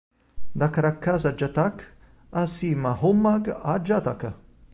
Dakarakkhasa-Jataka see Mahaummagga-Jataka.